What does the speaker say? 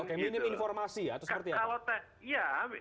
minim informasi ya itu seperti apa